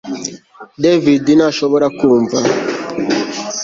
David ntashobora kumva